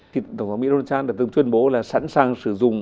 thì tổng thống mỹ donald trump đã từng chuyên bố là sẵn sàng sử dụng